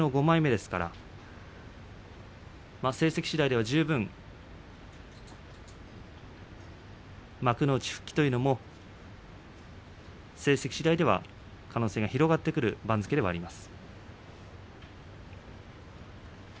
成績しだいでは十分幕内復帰ということも可能性が広がってくる番付ではあります。